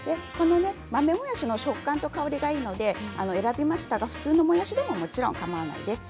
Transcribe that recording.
豆もやしの食感と香りがいいので選びましたが、普通のもやしでももちろんかまわないです。